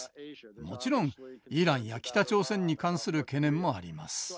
もちろんイランや北朝鮮に関する懸念もあります。